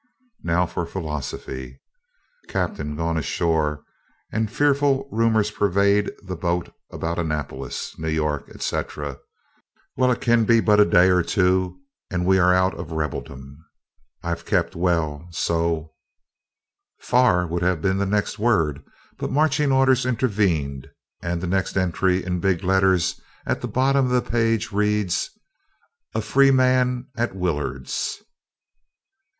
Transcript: Now for philosophy. Captain gone ashore, and fearful rumors pervade the boat about Annapolis, New York, etc. Well, it can be but a day or two, and we are out of rebeldom. I've kept well so ["Far" would have been the next word, but marching orders intervened, and the next entry, in big letters at the bottom of the page, reads] A FREE MAN AT WILLARD'S!